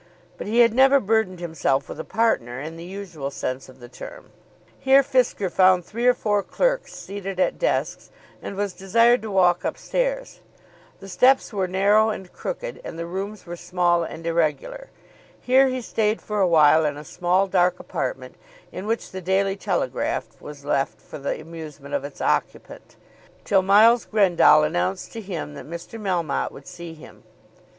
But he had never burthened himself with a partner in the usual sense of the term. Here Fisker found three or four clerks seated at desks, and was desired to walk up stairs. The steps were narrow and crooked, and the rooms were small and irregular. Here he stayed for a while in a small dark apartment in which "The Daily Telegraph" was left for the amusement of its occupant till Miles Grendall announced to him that Mr. Melmotte would see him.